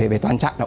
về toàn trạng